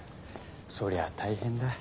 そりゃ大変だ。